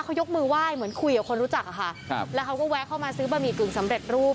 เขายกมือไหว้เหมือนคุยกับคนรู้จักอะค่ะครับแล้วเขาก็แวะเข้ามาซื้อบะหมี่กึ่งสำเร็จรูป